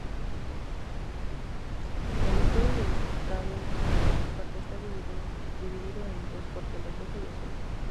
El Escudo del estado Nueva Esparta está dividido en dos cuarteles: rojo y azul.